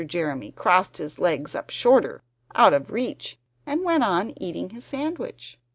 Jeremy crossed his legs up shorter, out of reach, and went on eating his sandwich.